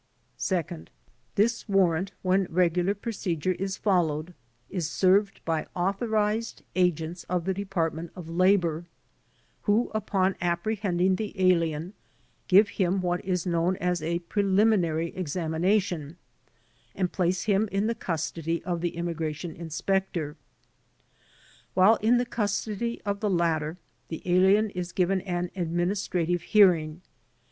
Second : This warrant, when regular procedure is fol lowed, is served by authorized agents of the Depart ment of Labor, who upon apprehending the alien give him what is known as a preliminary examination, and place him in the custody of the Immigration Inspector. While in the custody of the latter, the alien is given an administrative hearing.